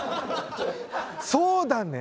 そうだね？